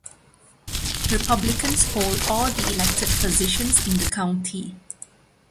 Republicans hold all the elected positions in the county.